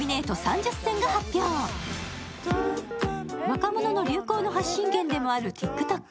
若者の流行の発信源でもあるＴｉｋＴｏｋ。